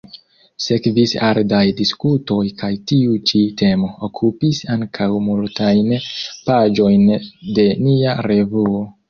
Sekvis ardaj diskutoj kaj tiu ĉi temo okupis ankaŭ multajn paĝojn de nia revuo.